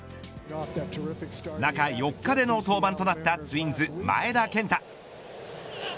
中４日での登板となったツインズ、前田健太。